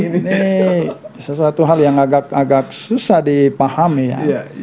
ini sesuatu hal yang agak susah dipahami ya